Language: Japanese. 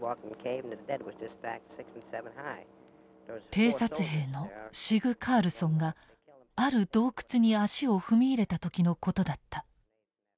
偵察兵のシグ・カールソンがある洞窟に足を踏み入れた時のことだった。